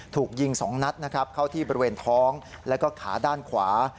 ถูกยิง๒นัดนะครับเข้าที่บริเวณท้องแล้วก็ขาด้านขวา